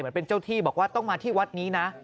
เป็นเจ้าที่บอกว่าต้องมาที่วัดนี้นะ